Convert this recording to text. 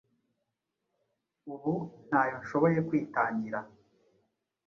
ubu ntayo nshoboye kwitangira,